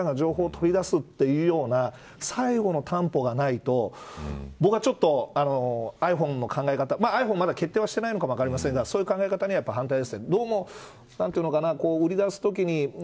やっぱり最終的なところでは捜査機関が情報を取り出すというような最後の担保がないと僕はちょっとｉＰｈｏｎｅの考え方にはｉＰｈｏｎｅはまだ決定してないのかもしれませんがそういう考え方には反対です。